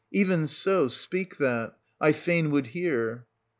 Even so — speak that — I fain would hear.